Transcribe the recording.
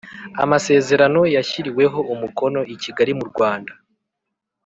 Amasezerano yashyiriweho umukono i Kigali mu Rwanda,